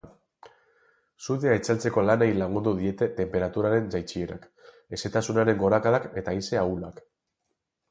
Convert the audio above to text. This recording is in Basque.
Sutea itzaltzeko lanei lagundu diete tenperaturaren jaitsierak, hezetasunaren gorakadak eta haize ahulak.